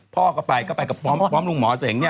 พ่อก็ไปก็ไปกับพร้อมลุงหมอเสงเนี่ย